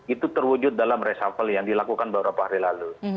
itu terwujud dalam reshuffle yang dilakukan beberapa hari lalu